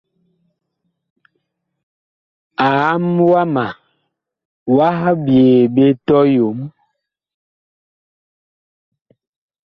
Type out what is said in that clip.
Aam wama wah byee ɓe tɔyom.